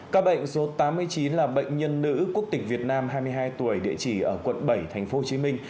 các bệnh số tám mươi chín là bệnh nhân nữ quốc tịch việt nam hai mươi hai tuổi địa chỉ ở quận bảy thành phố hồ chí minh